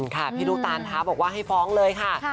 ค่ะพี่ลูกตานท้าบอกว่าให้ฟ้องเลยค่ะ